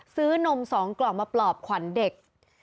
นม๒กล่องมาปลอบขวัญเด็ก